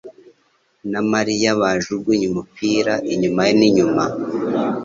na Mariya bajugunye umupira inyuma n'inyuma.